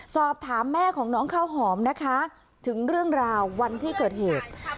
สอบถามแม่ของน้องข้าวหอมนะคะถึงเรื่องราววันที่เกิดเหตุ